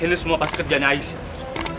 ini semuanya pas kerjanya aisyah